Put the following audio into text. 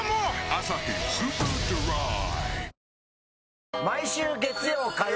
「アサヒスーパードライ」